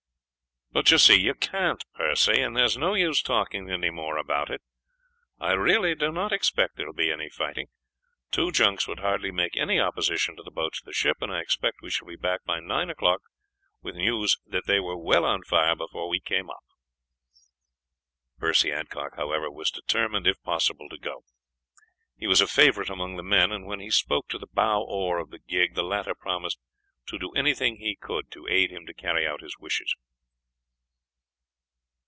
"But you see you can't, Percy, and there's no use talking any more about it. I really do not expect there will be any fighting. Two junks would hardly make any opposition to the boats of the ship, and I expect we shall be back by nine o'clock with the news that they were well on fire before we came up." Percy Adcock, however, was determined, if possible, to go. He was a favorite among the men, and when he spoke to the bow oar of the gig the latter promised to do anything he could to aid him to carry out his wishes.